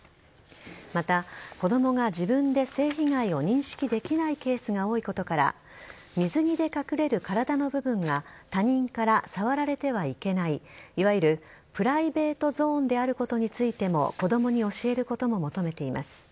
また、子供が自分で性被害を認識できないケースが多いことから水着で隠れる体の部分は他人から触られてはいけないいわゆるプライベートゾーンであることについても子供に教えることも求めています。